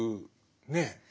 ねえ。